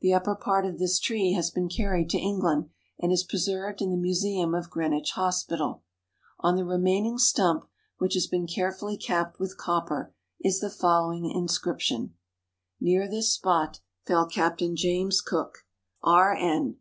The upper part of this tree has been carried to England, and is preserved in the museum of Greenwich Hospital. On the remain ing stump, which has been carefully capped with copper, is the following inscription: — Near this spot fell CAPTAIN JAMES COOK, R.N.